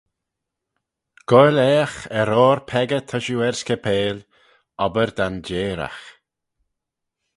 Goaill aaght er oyr peccah ta shiu er scapail, obbyr danjeeragh.